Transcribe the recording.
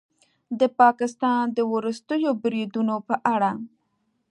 د پاکستان د وروستیو بریدونو په اړه